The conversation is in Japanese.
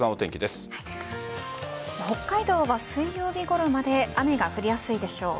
北海道は水曜日ごろまで雨が降りやすいでしょう。